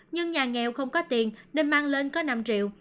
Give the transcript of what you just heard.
nhưng nhà nghèo không có tiền nên mang lên có năm triệu